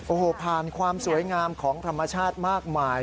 โอ้โหผ่านความสวยงามของธรรมชาติมากมาย